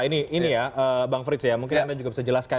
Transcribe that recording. ini ya bang frits ya mungkin anda juga bisa jelaskan